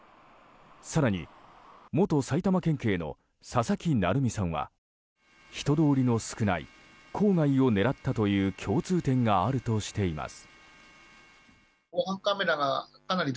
更に元埼玉県警の佐々木成三さんは人通りの少ない郊外を狙ったという共通点があるとしています。